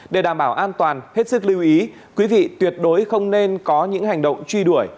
để đảm bảo an toàn hết sức lưu ý quý vị tuyệt đối không nên có những hành động truy đuổi